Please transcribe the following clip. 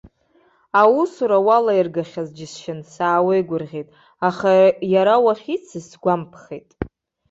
Аусура уалаиргахьаз џьысшьан, саауеигәырӷьеит, аха иара уахьицыз сгәамԥхеит.